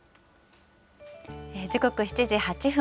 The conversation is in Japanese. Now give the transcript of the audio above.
時刻７時８分。